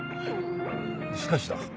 しかしだ